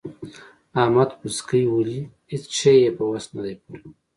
احمد پسکۍ ولي؛ هيڅ شی يې په وس نه دی پوره.